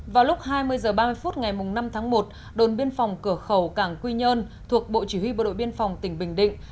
vào lúc hai mươi h ba mươi phút ngày năm tháng một đồn biên phòng cửa khẩu cảng quy nhơn thuộc bộ chỉ huy bộ đội biên phòng tỉnh bình định